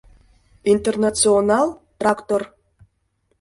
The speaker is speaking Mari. «Интернационал» — трактор.